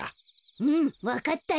うんわかったよ。